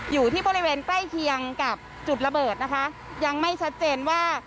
อยู่ที่บริเวณใกล้เคียงกับจุดระเบิดนะคะยังไม่ชัดเจนว่า